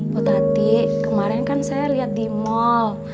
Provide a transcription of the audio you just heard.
bu tati kemarin kan saya lihat di mall